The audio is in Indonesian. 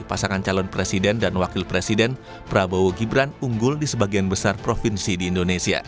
pasangan calon presiden dan wakil presiden prabowo gibran unggul di sebagian besar provinsi di indonesia